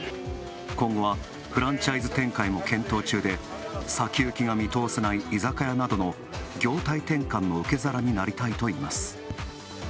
今後はフランチャイズ展開も検討中で先行きが見通せない居酒屋などの業態転換の受け皿になりたいといいます。